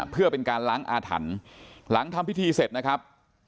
เพื่อเป็นการล้างอาถรรพ์หลังทำพิธีเสร็จนะครับ